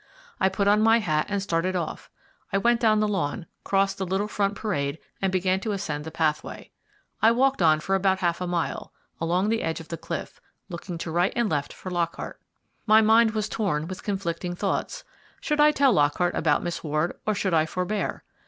I put on my hat and started off. I went down the lawn, crossed the little front parade, and began to ascend the pathway. I walked on for about half a mile, along the edge of the cliff, looking to right and left for Lockhart. My mind was torn with conflicting thoughts. Should I tell Lockhart about Miss Ward, or should I forbear?